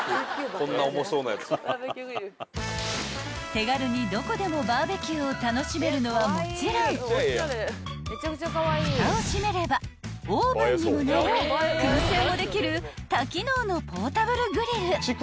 ［手軽にどこでもバーベキューを楽しめるのはもちろんふたを閉めればオーブンにもなり薫製もできる多機能のポータブルグリル］